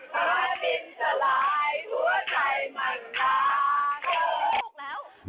ขวานบินสลายหัวใจมันราเกิน